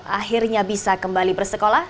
akhirnya bisa kembali bersekolah